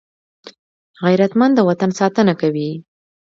غیرتمند د وطن ساتنه کوي